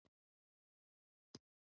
لکه مئ، خزان وهلې ونه